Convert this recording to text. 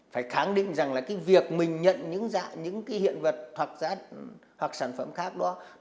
phải kháng định rằng là cái việc mình nhận những hiện vật hoặc sản phẩm khác đó